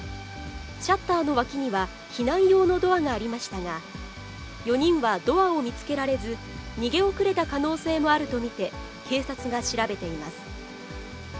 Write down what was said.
シャッターの脇には避難用のドアがありましたが、４人はドアを見つけられず、逃げ遅れた可能性もあると見て、警察が調べています。